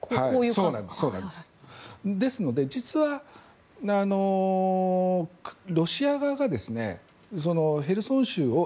ですので実は、ロシア側がヘルソン州を